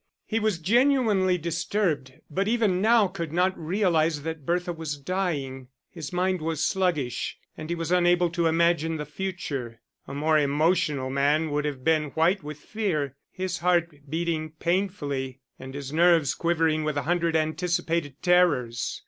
He was genuinely disturbed, but even now could not realise that Bertha was dying his mind was sluggish, and he was unable to imagine the future. A more emotional man would have been white with fear, his heart beating painfully and his nerves quivering with a hundred anticipated terrors.